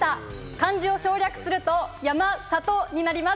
漢字を省略すると山里になります。